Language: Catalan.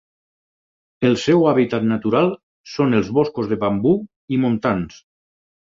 El seu hàbitat natural són els boscos de bambú i montans.